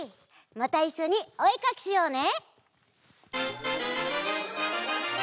またいっしょにおえかきしようね！